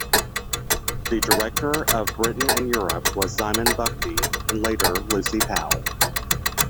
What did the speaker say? The director of Britain in Europe was Simon Buckby and later Lucy Powell.